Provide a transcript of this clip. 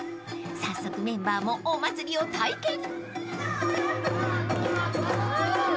［早速メンバーもお祭りを体験］